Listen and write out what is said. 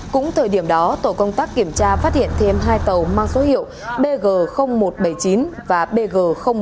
cũng thời điểm đó tổ công tác kiểm tra phát hiện thêm hai tàu mang số hiệu bg một trăm bảy mươi chín và bg một trăm linh